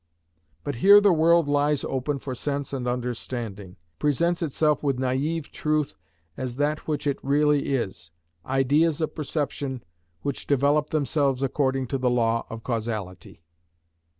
But here the world lies open for sense and understanding; presents itself with naive truth as that which it really is—ideas of perception which develop themselves according to the law of causality.